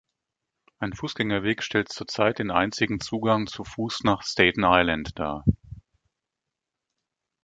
Ein Fußgängerweg stellt zurzeit den einzigen Zugang zu Fuß nach Staten Island dar.